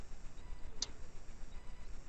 普瓦夫雷人口变化图示